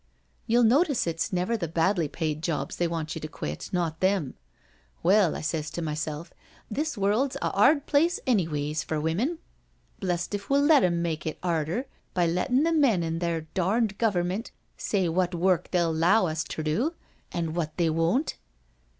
You'll notice it's never the badly paid jobs they want you to quit, not them I 'Well,' I sez to myself, ' this world's a 'ard place, anyways, for wim mun; blest if we'll let 'em m^e it 'arder by lettin' the men an' their darned Government say what work they'll 'low us ter do, an' what they won't.'